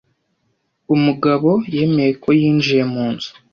Umugabo yemeye ko yinjiye mu nzu.